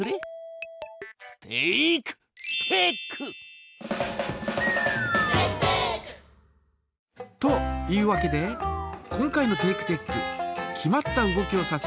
「テイクテック」！というわけで今回のテイクテック「決まった動きをさせる」